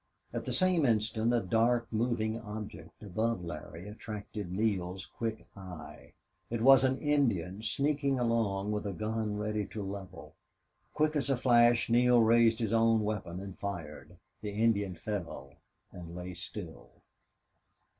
At the same instant a dark moving object above Larry attracted Neale's quick eye. It was an Indian sneaking along with a gun ready to level. Quick as a flash Neale raised his own weapon and fired. The Indian fell and lay still.